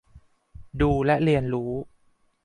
ดูและเรียนรู้